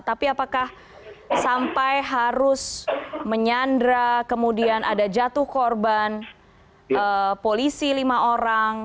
tapi apakah sampai harus menyandra kemudian ada jatuh korban polisi lima orang